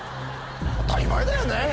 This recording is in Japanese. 当たり前だよね。